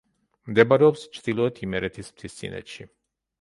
მდებარეობს ჩრდილოეთ იმერეთის მთისწინეთში.